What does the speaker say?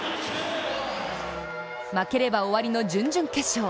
負ければ終わりの準々決勝